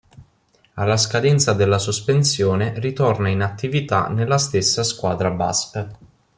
Alla scadenza della sospensione, ritorna in attività nella stessa squadra basca.